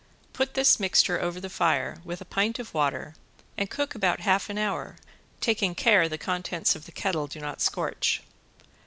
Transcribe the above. Put this mixture over the fire with a pint of water and cook about half an hour, taking care the contents of the kettle do not scorch.